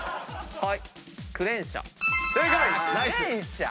はい！